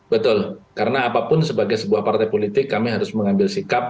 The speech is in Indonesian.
betul karena apapun sebagai sebuah partai politik kami harus mengambil sikap